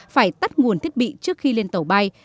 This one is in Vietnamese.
phải tắt nguồn thiết bị trước khi lên tàu bay